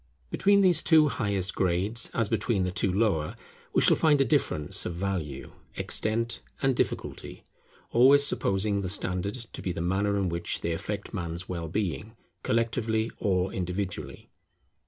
Between these two highest grades, as between the two lower, we shall find a difference of value, extent, and difficulty; always supposing the standard to be the manner in which they affect Man's well being, collectively or individually.